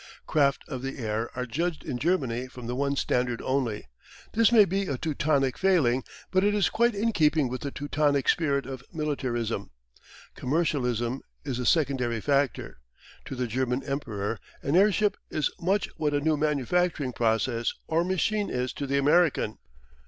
Craft of the air are judged in Germany from the one standard only. This may be a Teutonic failing, but it is quite in keeping with the Teutonic spirit of militarism. Commercialism is a secondary factor. To the German Emperor an airship is much what a new manufacturing process or machine is to the American.